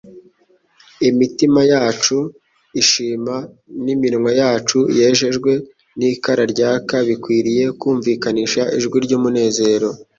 imitima yacu ishima, n'iminwa yacu yejejwe n'ikara ryaka bikwiriye kumvikanisha ijwi ry'umunezero